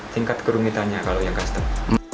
tingkat kerumitannya kalau yang custom